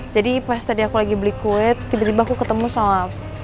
jadi pas tadi aku lagi beli kue tiba tiba aku ketemu sama